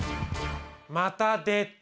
また出た。